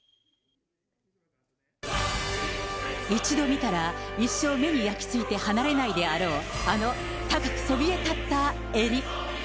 一度見たら一生目に焼きついて離れないであろう、あの高くそびえ立った襟。